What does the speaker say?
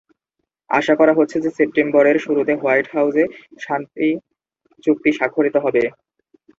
আশা করা হচ্ছে যে সেপ্টেম্বরের শুরুতে হোয়াইট হাউসে শান্তি চুক্তি স্বাক্ষরিত হবে।